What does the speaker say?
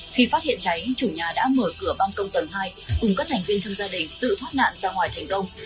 khi phát hiện cháy chủ nhà đã mở cửa băng công tầng hai cùng các thành viên trong gia đình tự thoát nạn ra ngoài thành công